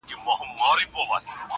باران دي وي سیلۍ دي نه وي-